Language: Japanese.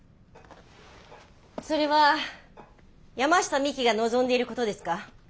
それは山下未希が望んでいる事ですか？